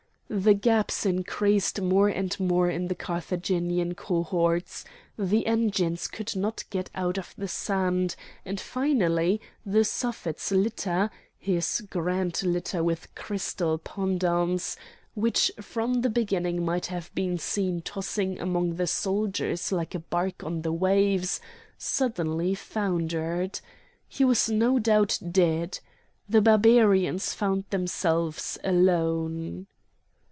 The gaps increased more and more in the Carthaginian cohorts, the engines could not get out of the sand; and finally the Suffet's litter (his grand litter with crystal pendants), which from the beginning might have been seen tossing among the soldiers like a bark on the waves, suddenly foundered. He was no doubt dead. The Barbarians found themselves alone.